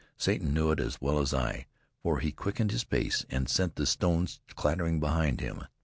Satan knew it as well as I, for he quickened his pace and sent the stones clattering behind him.